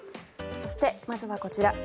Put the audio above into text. そして、まずはこちら。